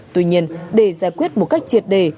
tuy nhiên để giải quyết một cách triệt đề